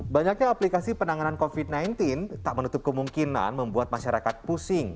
banyaknya aplikasi penanganan covid sembilan belas tak menutup kemungkinan membuat masyarakat pusing